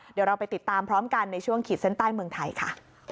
เดี๋ยวเราไปติดตามพร้อมกันในช่วงขีดเส้นใต้เมืองไทยค่ะ